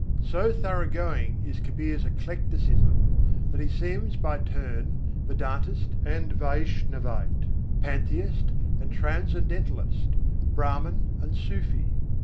So thorough going is Kabîr's eclecticism, that he seems by turns Vedântist and Vaishnavite, Pantheist and Transcendentalist, Brâhman and Sûfî.